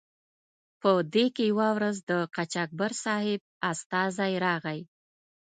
په دې کې یوه ورځ د قاچاقبر صاحب استازی راغی.